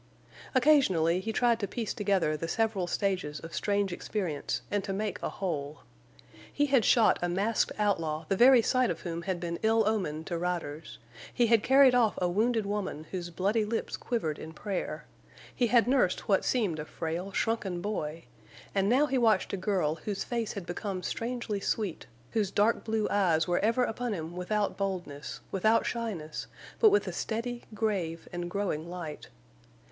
Occasionally he tried to piece together the several stages of strange experience and to make a whole. He had shot a masked outlaw the very sight of whom had been ill omen to riders; he had carried off a wounded woman whose bloody lips quivered in prayer; he had nursed what seemed a frail, shrunken boy; and now he watched a girl whose face had become strangely sweet, whose dark blue eyes were ever upon him without boldness, without shyness, but with a steady, grave, and growing light.